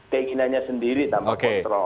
keinginannya sendiri tanpa kontrol